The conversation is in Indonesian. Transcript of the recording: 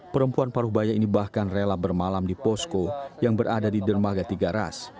perempuan paruh baya ini bahkan rela bermalam di posko yang berada di dermaga tiga ras